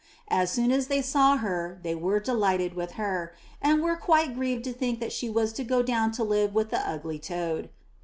As soon as they saw her, they were delighted with her, and were quite grieved to think that she was to go down to live with the ugly toad.